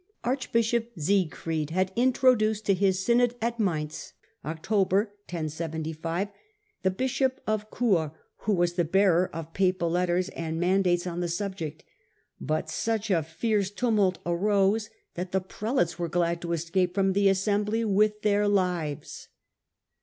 Archbishop Siegfried had intro duced to his synod at Mainz (October, 1075) the bishop of Ohur, who was the bearer of papal letters and man dates on the subject; but such a fierce tumult arose that the prelates were glad to escape from the assembly fheir lives.